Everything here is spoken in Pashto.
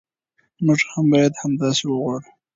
موږ هم باید همداسې وغواړو.